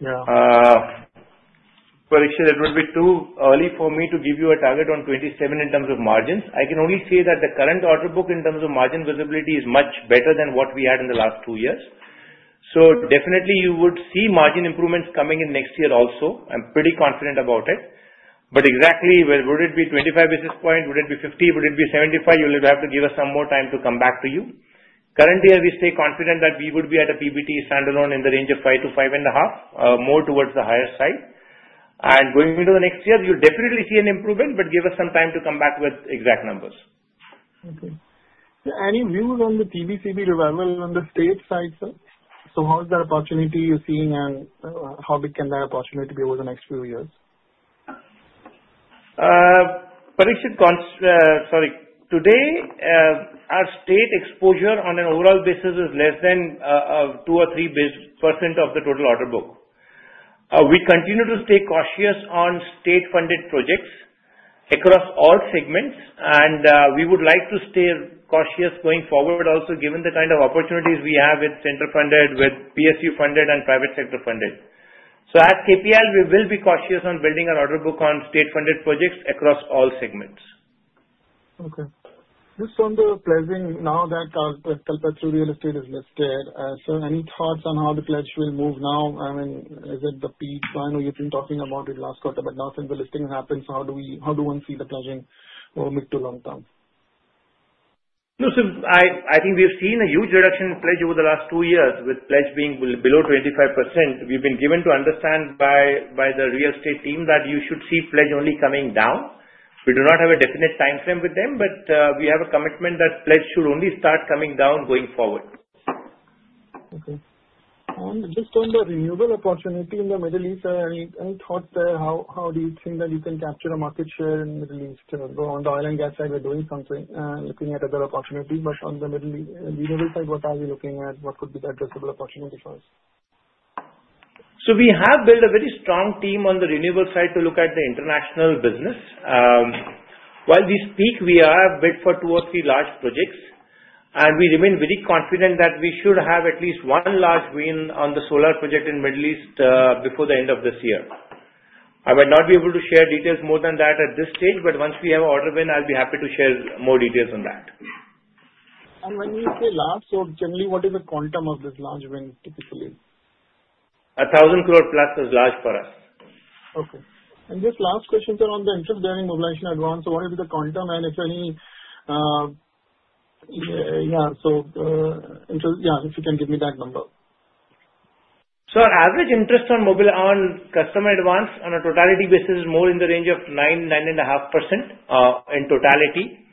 it would be too early for me to give you a target on 2027 in terms of margins. I can only say that the current order book in terms of margin visibility is much better than what we had in the last two years. So definitely, you would see margin improvements coming in next year also. I'm pretty confident about it. But exactly, would it be 25 basis points? Would it be 50? Would it be 75? You'll have to give us some more time to come back to you. Currently, we stay confident that we would be at a PBT standalone in the range of 5-5.5, more towards the higher side, and going into the next year, you'll definitely see an improvement, but give us some time to come back with exact numbers. Okay. Any views on the TBCB development on the state side, sir? So how is that opportunity you're seeing, and how big can that opportunity be over the next few years? Parikshit, sorry. Today, our state exposure on an overall basis is less than 2% or 3% of the total order book. We continue to stay cautious on state-funded projects across all segments, and we would like to stay cautious going forward also given the kind of opportunities we have with central funded, with PSU funded, and private sector funded. So at KPIL, we will be cautious on building an order book on state-funded projects across all segments. Okay. Just on the pledging, now that Kalpataru real estate is listed, sir, any thoughts on how the pledge will move now? I mean, is it the peak? I know you've been talking about it last quarter, but now since the listing happened, how do we see the pledging over mid to long term? No, sir, I think we have seen a huge reduction in pledge over the last two years, with pledge being below 25%. We've been given to understand by the real estate team that you should see pledge only coming down. We do not have a definite time frame with them, but we have a commitment that pledge should only start coming down going forward. Okay. And just on the renewable opportunity in the Middle East, any thoughts there? How do you think that you can capture a market share in the Middle East? On the oil and gas side, we're doing something, looking at other opportunities, but on the renewable side, what are we looking at? What could be the addressable opportunity for us? So we have built a very strong team on the renewable side to look at the international business. While we speak, we are bidding for two or three large projects, and we remain very confident that we should have at least one large win on the solar project in the Middle East before the end of this year. I might not be able to share details more than that at this stage, but once we have an order win, I'll be happy to share more details on that. When you say large, so generally, what is the quantum of this large win typically? 1,000 crores plus is large for us. Okay. And just last question, sir, on the interest-bearing mobilization advance, so what is the quantum and if any? Yeah. So yeah, if you can give me that number. Our average interest on customer advance on a totality basis is more in the range of 9%-9.5% in totality.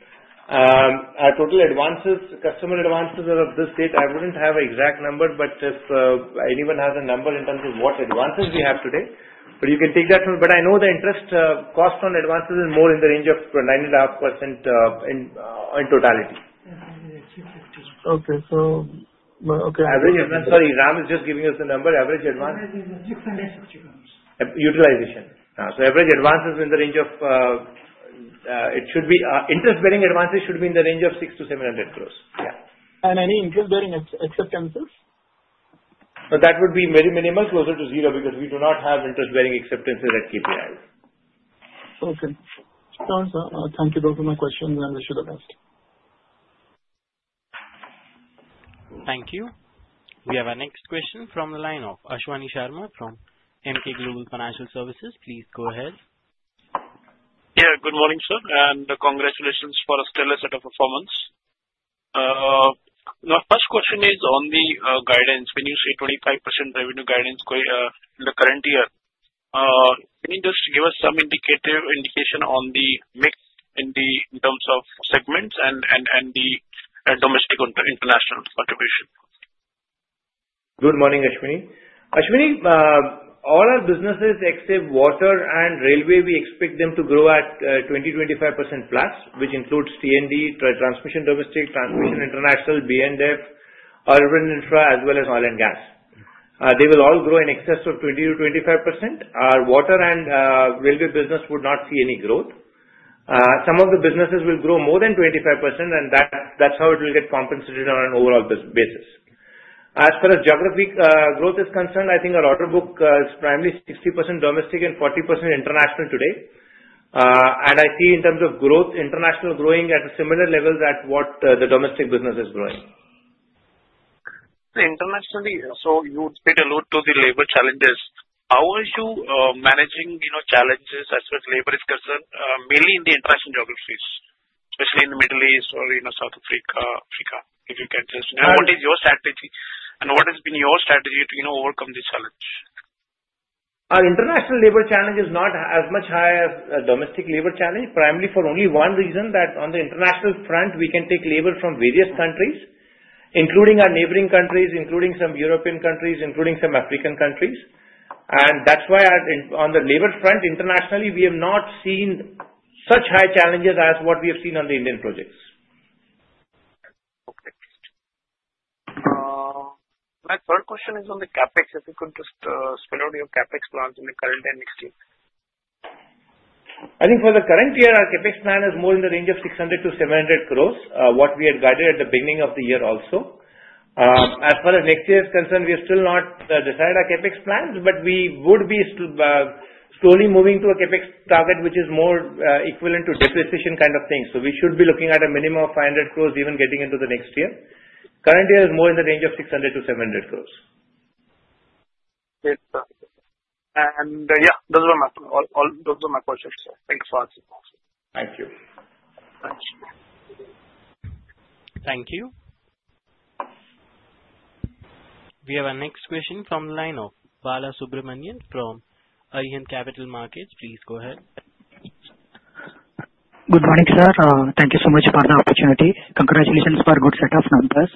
Our total advances, customer advances as of this date, I wouldn't have an exact number, but if anyone has a number in terms of what advances we have today, but you can take that from it. I know the interest cost on advances is more in the range of 9.5% in totality. Okay. Average advance, sorry, Ram is just giving us the number. Average advance? Average advance is INR 650 crores. Utilization. So average advances in the range of interest-bearing advances should be in the range of 600-700 crores. Yeah. And any interest-bearing acceptances? So that would be very minimal, closer to zero, because we do not have interest-bearing acceptances at KPIL. Okay. Thank you. Those were my questions, and I should have asked. Thank you. We have our next question from the line of Ashwani Sharma from Emkay Global Financial Services. Please go ahead. Yeah. Good morning, sir, and congratulations for a stellar set of performance. The first question is on the guidance. When you say 25% revenue guidance in the current year, can you just give us some indication on the mix in terms of segments and the domestic international contribution? Good morning, Ashwani. Ashwani, all our businesses, except water and railway, we expect them to grow at 20%-25%+, which includes T&D, transmission domestic, transmission international, B&F, urban infra, as well as oil and gas. They will all grow in excess of 20%-25%. Our water and railway business would not see any growth. Some of the businesses will grow more than 25%, and that's how it will get compensated on an overall basis. As far as geographic growth is concerned, I think our order book is primarily 60% domestic and 40% international today, and I see in terms of growth, international growing at a similar level as what the domestic business is growing. So internationally, so you did allude to the labor challenges. How are you managing challenges as far as labor is concerned, mainly in the international geographies, especially in the Middle East or South Africa? If you can just—what is your strategy? And what has been your strategy to overcome this challenge? Our international labor challenge is not as much high as domestic labor challenge, primarily for only one reason: that on the international front, we can take labor from various countries, including our neighboring countries, including some European countries, including some African countries. And that's why on the labor front, internationally, we have not seen such high challenges as what we have seen on the Indian projects. Okay. My third question is on the CapEx. If you could just spell out your CapEx plans in the current and next year. I think for the current year, our CapEx plan is more in the range of 600-700 crores, what we had guided at the beginning of the year also. As far as next year is concerned, we have still not decided our CapEx plans, but we would be slowly moving to a CapEx target, which is more equivalent to depreciation kind of thing. So we should be looking at a minimum of 500 crores even getting into the next year. Current year, it's more in the range of 600-700 crores. Great. And yeah, those were my questions, sir. Thanks for asking. Thank you. Thank you. We have our next question from the line of Balasubramanian A from Arihant Capital Markets. Please go ahead. Good morning, sir. Thank you so much for the opportunity. Congratulations for a good set of numbers.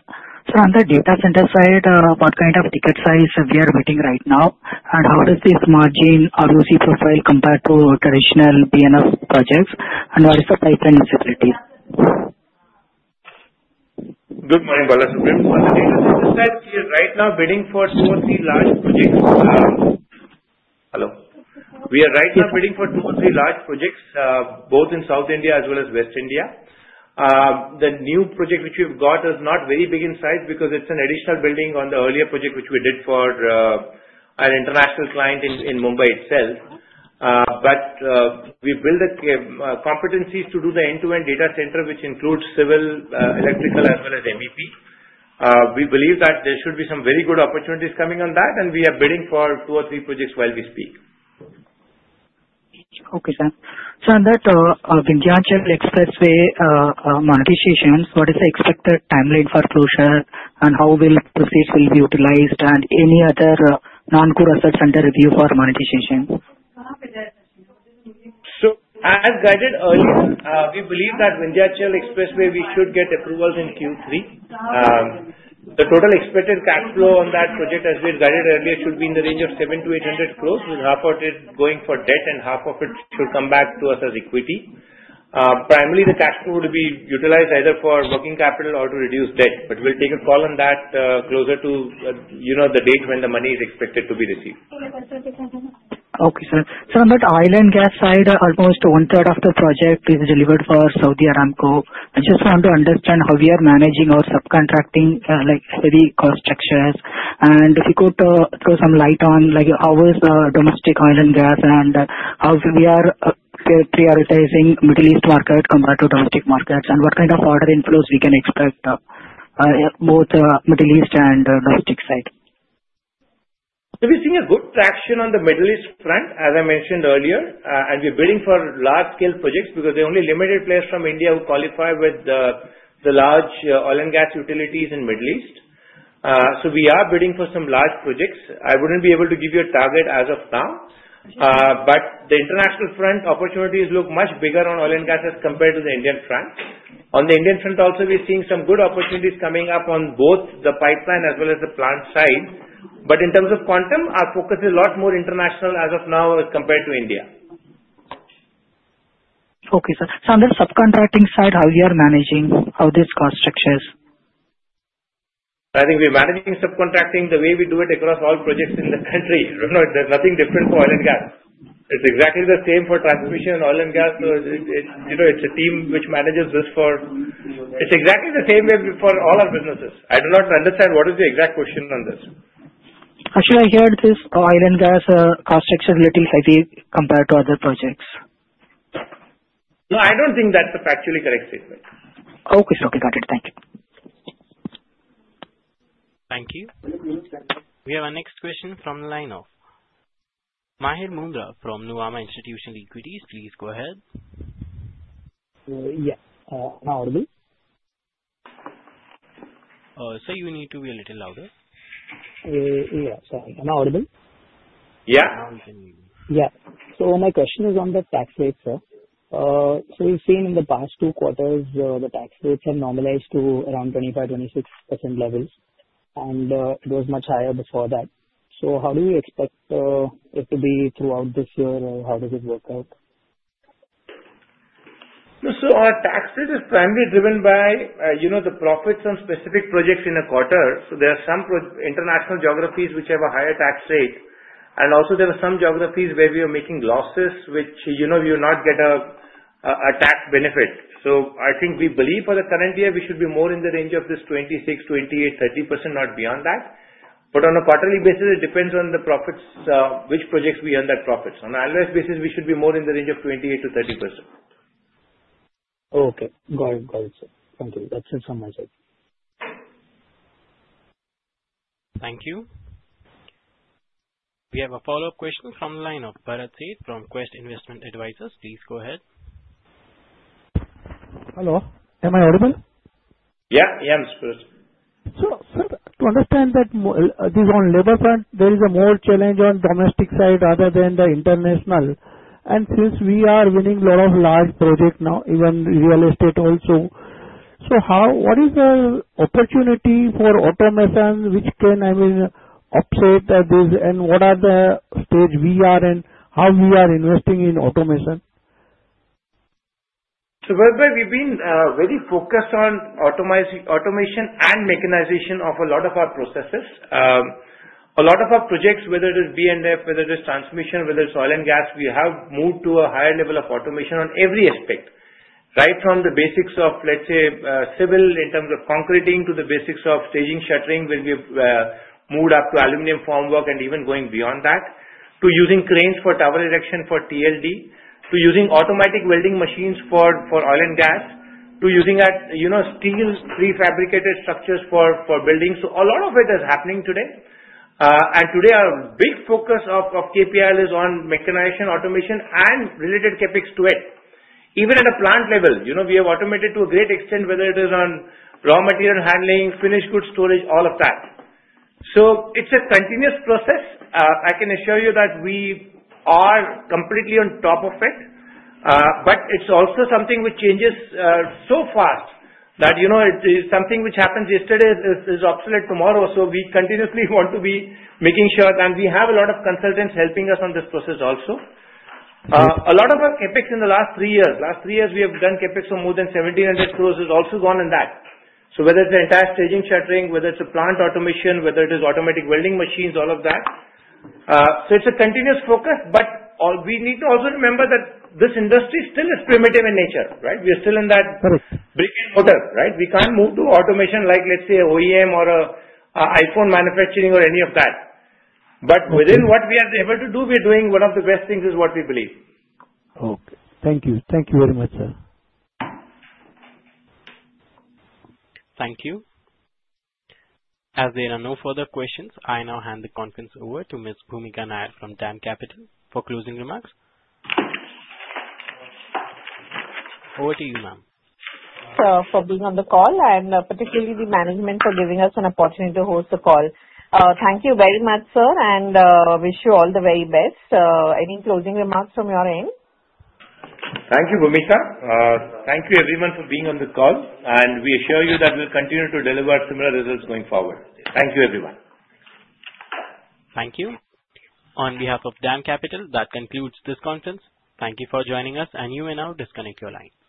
So on the data center side, what kind of ticket size we are bidding right now, and how does this margin ROC profile compare to traditional B&F projects, and what is the pipeline visibility? Good morning, Balasubramanian. On the data center side, we are right now bidding for two or three large projects. Hello. We are right now bidding for two or three large projects, both in South India as well as West India. The new project which we've got is not very big in size because it's an additional building on the earlier project which we did for an international client in Mumbai itself. But we've built the competencies to do the end-to-end data center, which includes civil, electrical, as well as MEP. We believe that there should be some very good opportunities coming on that, and we are bidding for two or three projects while we speak. Okay, sir. So on that Vindhyachal Expressway monetization, what is the expected timeline for closure, and how will proceeds be utilized, and any other non-core asset center review for monetization? As guided earlier, we believe that Vindhyachal Expressway, we should get approvals in Q3. The total expected cash flow on that project, as we had guided earlier, should be in the range of 700-800 crores, with half of it going for debt and half of it should come back to us as equity. Primarily, the cash flow would be utilized either for working capital or to reduce debt. But we'll take a call on that closer to the date when the money is expected to be received. Okay, sir. So on that oil and gas side, almost one-third of the project is delivered for Saudi Aramco. I just want to understand how we are managing our subcontracting heavy cost structures. And if you could throw some light on how is domestic oil and gas and how we are prioritizing Middle East market compared to domestic markets, and what kind of order inflows we can expect both Middle East and domestic side? So we're seeing a good traction on the Middle East front, as I mentioned earlier, and we're bidding for large-scale projects because there are only limited players from India who qualify with the large oil and gas utilities in the Middle East. So we are bidding for some large projects. I wouldn't be able to give you a target as of now. But the international front opportunities look much bigger on oil and gas as compared to the Indian front. On the Indian front also, we're seeing some good opportunities coming up on both the pipeline as well as the plant side. But in terms of quantum, our focus is a lot more international as of now as compared to India. Okay, sir. So on the subcontracting side, how are you managing these cost structures? I think we're managing subcontracting the way we do it across all projects in the country. There's nothing different for oil and gas. It's exactly the same for transmission and oil and gas. So it's a team which manages this, for it's exactly the same for all our businesses. I do not understand what is the exact question on this. Actually, I heard this oil and gas cost structure is a little heavy compared to other projects. No, I don't think that's a factually correct statement. Okay. Okay. Got it. Thank you. Thank you. We have our next question from the line of Mahir Moondra from Nuvama Institutional Equities. Please go ahead. Yes. Now audible? Sir, you need to be a little louder. Yeah. Sorry. Am I audible? Yeah. Now you can hear me. Yeah. So my question is on the tax rates, sir. So we've seen in the past two quarters, the tax rates have normalized to around 25%-26% levels, and it was much higher before that. So how do you expect it to be throughout this year, or how does it work out? Our tax rate is primarily driven by the profits on specific projects in a quarter. There are some international geographies which have a higher tax rate. Also, there are some geographies where we are making losses, which you do not get a tax benefit. I think we believe for the current year, we should be more in the range of 26%, 28%, 30%, not beyond that. On a quarterly basis, it depends on the profits, which projects we earn that profits. On an annualized basis, we should be more in the range of 28%-30%. Okay. Got it. Got it, sir. Thank you. That's it from my side. Thank you. We have a follow-up question from the line of Bharat Sheth from Quest Investment Advisors. Please go ahead. Hello. Am I audible? Yeah. Yeah. I'm supposed to. Sir, to understand that on the labor front, there is a more challenge on the domestic side rather than the international. And since we are winning a lot of large projects now, even real estate also, so what is the opportunity for automation, which can, I mean, offset this? And what are the stage we are in? How we are investing in automation? So Bharat, we've been very focused on automation and mechanization of a lot of our processes. A lot of our projects, whether it is B&F, whether it is transmission, whether it's oil and gas, we have moved to a higher level of automation on every aspect, right from the basics of, let's say, civil in terms of concreting to the basics of staging shuttering, where we have moved up to aluminum formwork and even going beyond that, to using cranes for tower erection for T&D, to using automatic welding machines for oil and gas, to using steel prefabricated structures for buildings. So a lot of it is happening today. And today, our big focus of KPIL is on mechanization, automation, and related CapEx to it, even at a plant level. We have automated to a great extent, whether it is on raw material handling, finished goods storage, all of that. It's a continuous process. I can assure you that we are completely on top of it. But it's also something which changes so fast that it is something which happens yesterday is obsolete tomorrow. So we continuously want to be making sure that we have a lot of consultants helping us on this process also. A lot of our CapEx in the last three years, last three years we have done CapEx of more than 1,700 crores, is also gone in that. So whether it's the entire staging shuttering, whether it's a plant automation, whether it is automatic welding machines, all of that. So it's a continuous focus. But we need to also remember that this industry still is primitive in nature, right? We are still in that brick and mortar, right? We can't move to automation like, let's say, OEM or iPhone manufacturing or any of that. But within what we are able to do, we are doing one of the best things, is what we believe. Okay. Thank you. Thank you very much, sir. Thank you. As there are no further questions, I now hand the conference over to Ms. Bhoomika Nair from DAM Capital for closing remarks. Over to you, ma'am. Thank you for being on the call, and particularly the management for giving us an opportunity to host the call. Thank you very much, sir, and wish you all the very best. Any closing remarks from your end? Thank you, Bhoomika. Thank you, everyone, for being on the call. And we assure you that we'll continue to deliver similar results going forward. Thank you, everyone. Thank you. On behalf of DAM Capital, that concludes this conference. Thank you for joining us, and you may now disconnect your line.